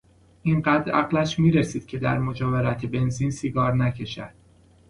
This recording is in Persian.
اینقدر عقلش میرسید که در مجاورت بنزین سیگار نکشد.